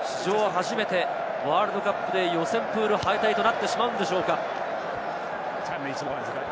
初めてワールドカップで予選プール敗退となってしまうんでしょうか。